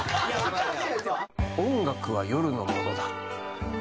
音楽は夜のものだ。